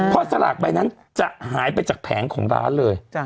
เพราะสลากใบนั้นจะหายไปจากแผงของร้านเลย